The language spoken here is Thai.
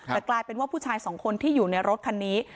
แต่กลายเป็นว่าผู้ชายสองคนที่อยู่ในรถคันนี้